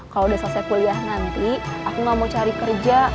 kalau udah selesai kuliah nanti aku gak mau cari kerja